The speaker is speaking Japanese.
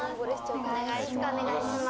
お願いします。